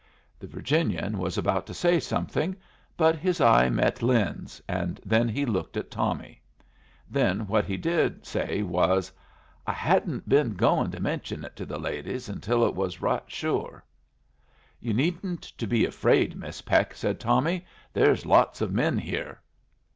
The Virginian was about to say something, but his eye met Lin's, and then he looked at Tommy. Then what he did say was, "I hadn't been goin' to mention it to the ladies until it was right sure." "You needn't to be afraid, Miss Peck," said Tommy. "There's lots of men here."